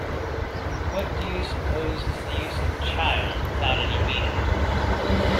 What do you suppose is the use of child without any meaning?